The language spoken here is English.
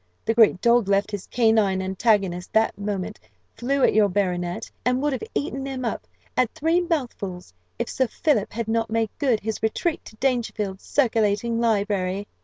The great dog left his canine antagonist that moment, flew at your baronet, and would have eaten him up at three mouthfuls, if Sir Philip had not made good his retreat to Dangerfield's circulating library.